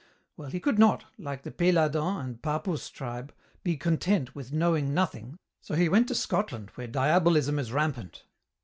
Well, he could not, like the Péladan and Papus tribe, be content with knowing nothing, so he went to Scotland, where Diabolism is rampant.